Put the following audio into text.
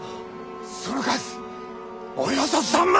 その数およそ３万！